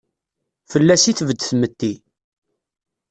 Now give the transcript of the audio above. Fell-as i tbed tmetti.